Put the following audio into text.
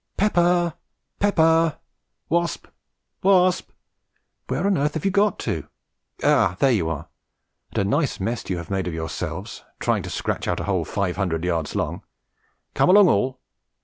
Pepper, Pepper, Wasp, Wasp, where on earth have you got to? Ah, there you are, and a nice mess you have made of yourselves trying to scratch out a hole five hundred yards long. Come along all!"